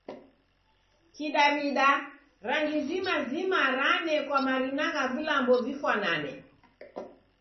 Kidaw'ida, rangi zima zima ranekwa marina gha vilambo vifwanane.